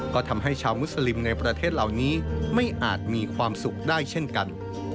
ก็ทำให้ชาวมุสลิมในประเทศเหล่านี้ไม่อาจมีความสุขได้เช่นกัน